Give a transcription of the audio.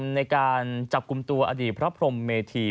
ในการจับกลุ่มตัวอดีตพระพรมเมธี